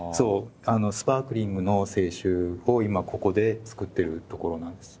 スパークリングの清酒を今ここで造ってるところなんです。